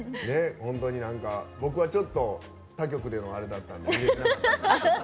本当に僕は他局でのあれだったので。